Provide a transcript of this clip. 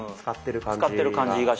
使ってる感じが。